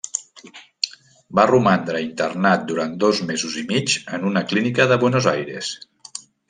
Va romandre internat durant dos mesos i mig en una clínica de Buenos Aires.